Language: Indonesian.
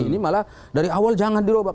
ini malah dari awal jangan dirobah